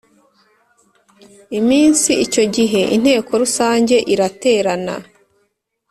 iminsi Icyo gihe Inteko rusange iraterana